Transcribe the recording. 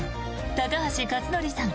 高橋克典さん